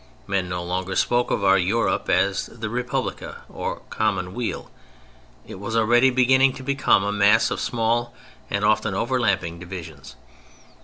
Men no longer spoke of our Europe as the Respublica or "common weal." It was already beginning to become a mass of small and often overlapping divisions.